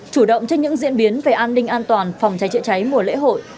chủ động trên những diễn biến về an ninh an toàn phòng cháy chữa cháy mùa lễ hội